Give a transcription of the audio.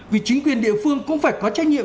vì chính quyền địa phương cũng phải có trách nhiệm